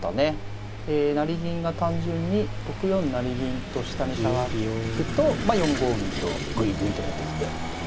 成銀が単純に６四成銀と下に下がるとまあ４五銀とグイグイと出てきて。